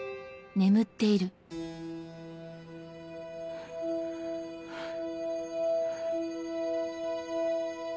ハァハァ。